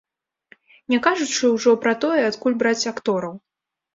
Не кажучы ўжо пра тое, адкуль браць актораў.